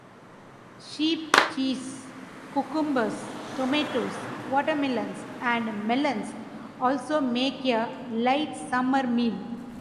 Sheep cheese, cucumbers, tomatoes, watermelons and melons also make a light summer meal.